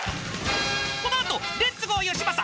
［この後レッツゴーよしまさ。